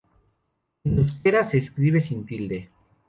En euskera se escribe sin tilde.